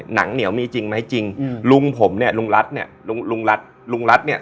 หนังเหนียวมีจริงไหมจริงอืมลุงผมเนี่ยลุงรัฐเนี่ยลุงลุงรัฐลุงรัฐเนี่ย